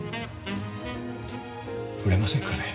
売れませんかね。